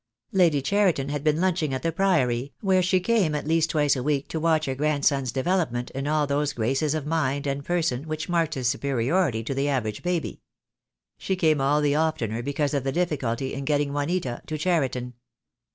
Lady Cheriton had been lunching at the Priory, where she came at least twice a week to watch her grandson's development in all those graces of mind and person which marked his superiority to the average baby. She came all the oftener because of the difficulty in getting Juanita to Cheriton.